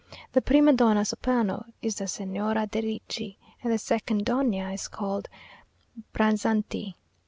The prima donna soprano is the Signora de Ricci; and the second donna is called Branzanti.